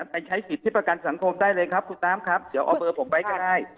ไปใช้สิทธิ์ที่ประกันสังคมได้เลยครับคุณน้ำครับเดี๋ยวเอาเบอร์ผมไว้ก็ได้